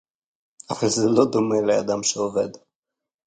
אבל זה לא דומה לאדם שעובד